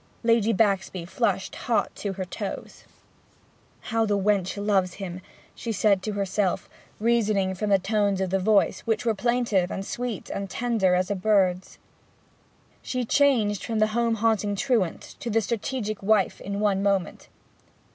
Lady Baxby flushed hot to her toes. 'How the wench loves him!' she said to herself, reasoning from the tones of the voice, which were plaintive and sweet and tender as a bird's. She changed from the home hating truant to the strategic wife in one moment.